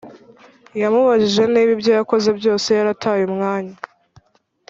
yamubajije niba ibyo yakoze byose yarataye umwanya